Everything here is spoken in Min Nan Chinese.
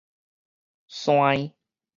檨